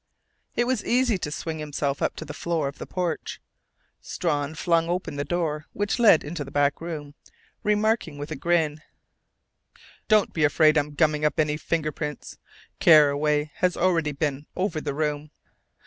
It was easy to swing himself up to the floor of the porch. Strawn flung open the door which led into the back room, remarking with a grin: "Don't be afraid I'm gumming up any fingerprints. Carraway has already been over the room....